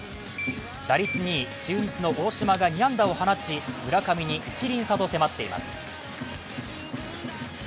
打率２位、中日の大島が２安打を放ち村上に１厘差と迫っています。